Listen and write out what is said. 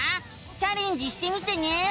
チャレンジしてみてね！